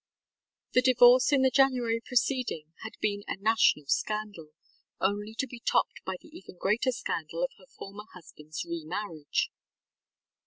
That divorce in the January preceding had been a national scandal, only to be topped by the even greater scandal of her former husbandŌĆÖs remarriage.